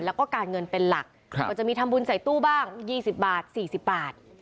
แล้วก็การเงินเป็นหลักเขาจะมีทำบุญใส่ตู้บ้างยี่สิบบาทสี่สิบบาท